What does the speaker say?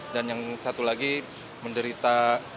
dan yang satu lagi menderita